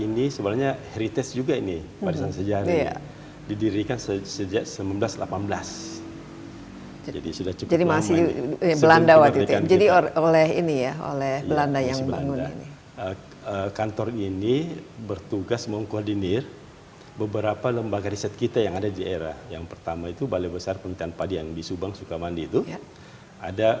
nira untuk gula seperti gula tubuh kita